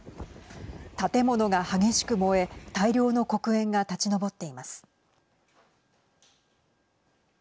建物が激しく燃え大量の黒煙が立ち上っています。